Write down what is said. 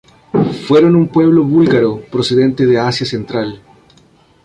Fueron un pueblo búlgaro procedente del Asia central.